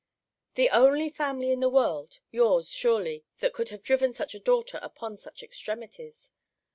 The only family in the world, yours, surely, that could have driven such a daughter upon such extremities.